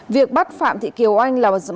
việc bắt phạm thị kiều oanh là một dự án